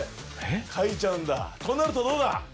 描いちゃうんだとなるとどうだ？